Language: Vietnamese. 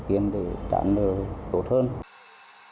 để giải quyết vấn đề này